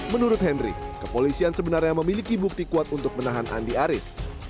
menurut henry kepolisian sebenarnya memiliki bukti kuat untuk menahan andi arief